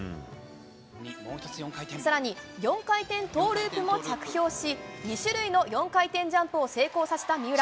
さらに４回転トーループも着氷し、２種類の４回転ジャンプを成功させた三浦。